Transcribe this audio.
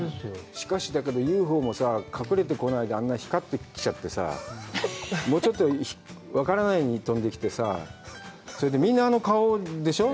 しかし、だけど、ＵＦＯもさぁ、隠れてこないで、あんな、かぶってきてさぁ、もうちょっと分からないように飛んできてさ、それで、みんな、あの顔でしょう？